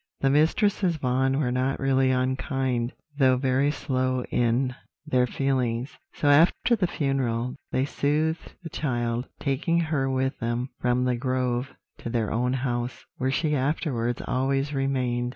"The Mistresses Vaughan were not really unkind, though very slow in their feelings; so, after the funeral, they soothed the child, taking her with them from The Grove to their own house, where she afterwards always remained.